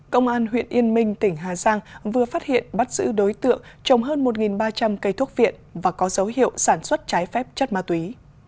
công an huyện yên minh tỉnh hà giang vừa phát hiện bắt giữ đối tượng trồng hơn một ba trăm linh cây thuốc viện và có dấu hiệu sản xuất trái phép chất ma túy